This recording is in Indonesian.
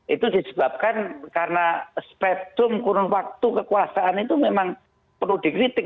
itu disebabkan karena spektrum kurun waktu kekuasaan itu memang perlu dikritik